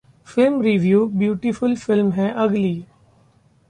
Film Review: beautiful फिल्म है 'Ugly'